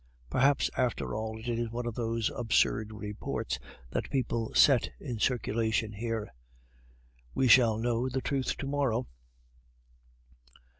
"Perhaps, after all, it is one of those absurd reports that people set in circulation here." "We shall know the truth to morrow."